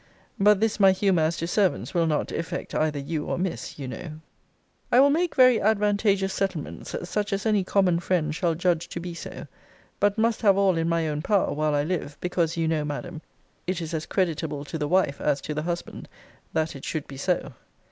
But this my humour as to servants will not effect either you or Miss, you know. I will make very advantageous settlements; such as any common friend shall judge to be so. But must have all in my own power, while I live: because, you know, Madam, it is as creditable to the wife, as to the husband, that it should be so.